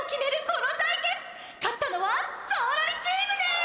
この対決勝ったのはゾーロリチームです！